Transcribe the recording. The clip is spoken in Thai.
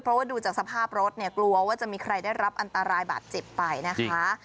เพราะว่าดูจากสภาพรถเนี่ยกลัวว่าจะมีใครได้รับอันตรายบาดเจ็บไปนะคะ